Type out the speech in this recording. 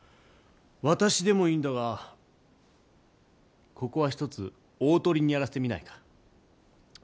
私でもいいんだがここは一つ大鳥にやらせてみないか？